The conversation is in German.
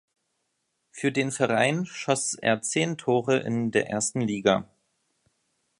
Für den Verein schoss er zehn Tore in der ersten Liga.